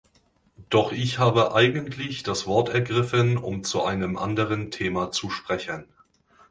Doch ich habe eigentlich das Wort ergriffen, um zu einem anderen Thema zu sprechen.